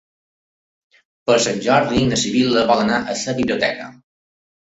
Per Sant Jordi na Sibil·la vol anar a la biblioteca.